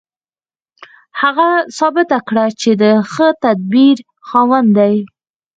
هغه ثابته کړه چې د ښه تدبیر خاوند دی